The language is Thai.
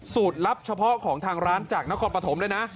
ลับเฉพาะของทางร้านจากนครปฐมด้วยนะ